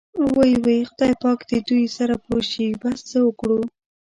وۍ وۍ خدای پاک دې دوی سره پوه شي، بس څه وکړو.